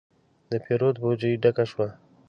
د پیرود بوجي ډکه شوه.